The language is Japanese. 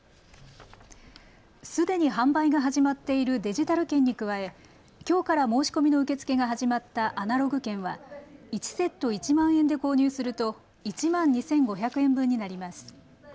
すでに販売が始まっているデジタル券に加え、きょうから申し込みの受け付けが始まったアナログ券は１セット１万円で購入すると１万２５００円分になります。